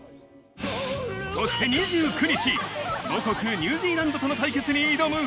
そして２９日母国ニュージーランドとの対決に挑む